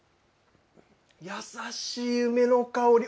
優しい梅の香り。